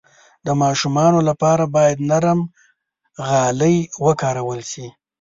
د ماشومانو لپاره باید نرم غالۍ وکارول شي.